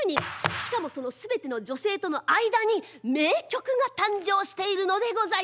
しかもその全ての女性との間に名曲が誕生しているのでございます。